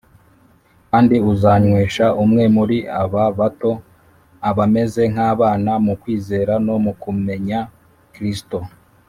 “kandi uzanywesha umwe muri aba bato” - abameze nk’abana mu kwizera no mu kumenya kristo